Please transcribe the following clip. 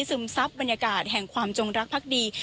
ซึมซับบรรยากาศแห่งความจงรักพักดี